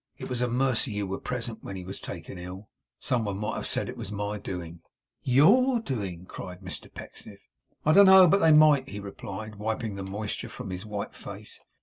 'It was a mercy you were present when he was taken ill. Some one might have said it was my doing.' 'YOUR doing!' cried Mr Pecksniff. 'I don't know but they might,' he replied, wiping the moisture from his white face.